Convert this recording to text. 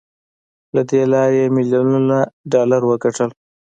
له دې لارې يې ميليونونه ډالر وګټل.